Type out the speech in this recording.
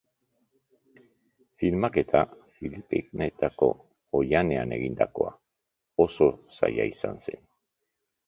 Filmaketa, Filipinetako oihanean egindakoa, oso zaila izan zen.